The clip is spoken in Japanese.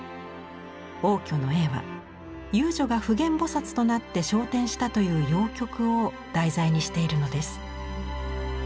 応挙の絵は遊女が普賢菩となって昇天したという謡曲を題材にしているのです。